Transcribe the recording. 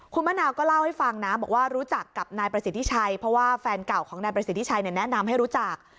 คุณมะนาวก็เล่าให้ฟังนะบอกว่ารู้จักกับนายประสิทธิชัยเพราะว่าแฟนเก่าของนายประสิทธิชัยแนะนำให้รู้จัก